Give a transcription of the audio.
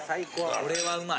これはうまい。